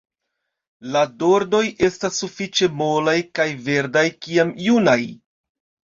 La dornoj estas sufiĉe molaj kaj verdaj kiam junaj.